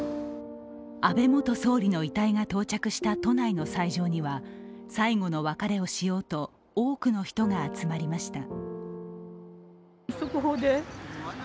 安倍元総理の遺体が到着した都内の斎場には最後の別れをしようと多くの人が集まりました。